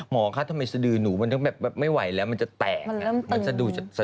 หมอข้าทำไมสดือหนูมันต้องแบบไม่ไหวแล้วมันจะแตกอะมันสดือจะแตก